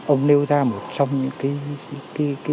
ông nêu ra một trong những cái